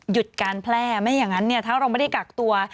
หยุดการแพร่ไม่อย่างนั้นถ้าเราไม่ได้กักตัว